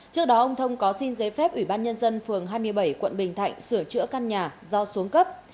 trước đó ông thông có xin giấy phép ủy ban nhân dân phường hai mươi bảy quận bình thạnh sửa chữa căn nhà do xuống cấp